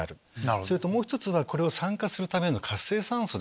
それともう１つはこれを酸化するための活性酸素。